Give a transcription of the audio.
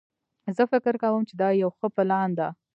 زه فکر کوم چې دا یو ښه پلان ده